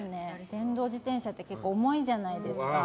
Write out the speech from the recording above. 電動自転車って重いじゃないですか。